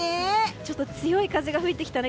ちょっと強い風が吹いてきたね。